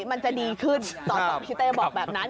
มันจะดีขึ้นตอนพี่เต้บอกแบบนั้น